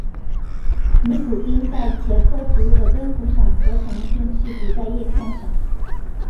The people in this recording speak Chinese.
尼古丁在茄科植物的根部上合成并蓄积在叶片上。